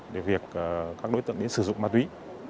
để việc các đối tượng đến sử dụng ma túy